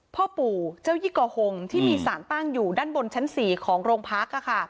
พ่อปู่เจ้ายี่กอฮงที่มีสารตั้งอยู่ด้านบนชั้น๔ของโรงพัก